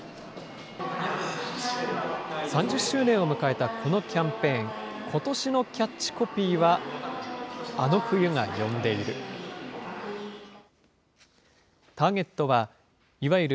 ３０周年を迎えたこのキャンペーン、ことしのキャッチコピーは、あの冬が、呼んでいる。